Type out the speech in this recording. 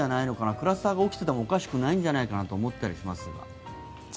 クラスターが起きててもおかしくないんじゃないかと思ったりしますが。